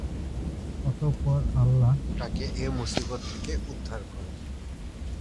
অতঃপর আল্লাহ তাঁকে এ মুসীবত থেকে উদ্ধার করেন।